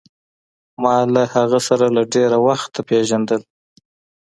ما له هغه سره له ډېره وخته پېژندل.